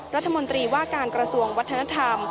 รัฐมนตรีว่าการกระทรวงวัฒนธรรม